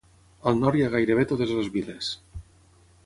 Al nord hi ha gairebé totes les viles.